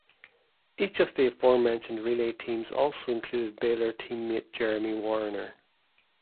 Each of the aforementioned relay teams also included Baylor teammate Jeremy Wariner.